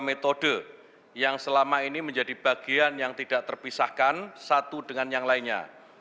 kementerian agama selalu menggunakan dua metode yang selama ini menjadi bagian yang tidak terpisahkan satu dengan yang lainnya